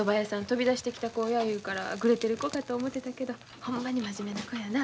飛び出してきた子やいうからグレてる子かと思てたけどほんまに真面目な子やな。